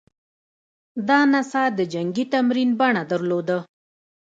دا نڅا د جنګي تمرین بڼه درلوده